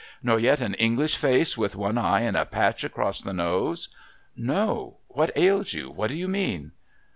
' Nor yet an English face, with one eye and a patch across the nose ?'' No. What ails you ? What do you mean